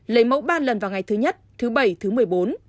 lấy mẫu ba lần vào ngày thứ nhất thứ bảy thứ một mươi bốn